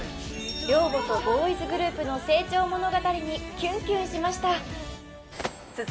寮母とボーイズグループの成長物語にキュンキュンしました